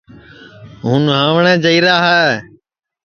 ہُوں نُھاوٹؔیں جائیرا ہے